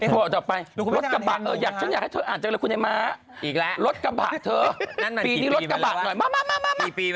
เหมาะกับข่าวต่อไป